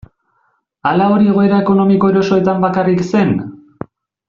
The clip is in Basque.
Ala hori egoera ekonomiko erosoetan bakarrik zen?